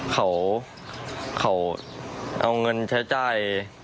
เขาเอาเงินใช้จ่าย